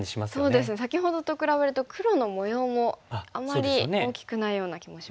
そうですね先ほどと比べると黒の模様もあんまり大きくないような気もしますね。